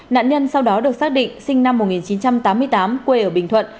nạn nhân sau đó được xác định sinh năm một nghìn chín trăm tám mươi tám quê ở bình thuận